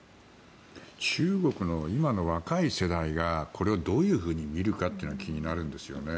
中国の今の若い世代がこれをどう見るかというのが気になるんですよね。